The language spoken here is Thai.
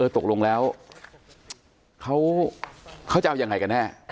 ตกลงแล้วเขาจะเอายังไงกันแน่